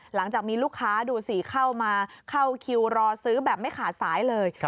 หลังจากมีลูกค้าดูสิเข้ามาเข้าคิวรอซื้อแบบไม่ขาดสายเลย